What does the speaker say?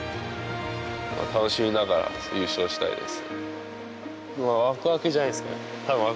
楽しみながら優勝したいです。